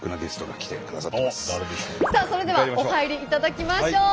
それではお入りいただきましょう。